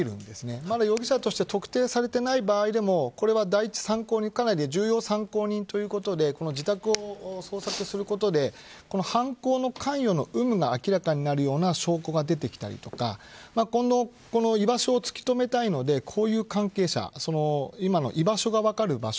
まだ容疑者として特定されていない場合でも第一参考人重要参考人ということで自宅を捜索することで犯行の関与の有無が明らかになるような証拠が出てきたりとかこの居場所を突き止めたいので交友関係者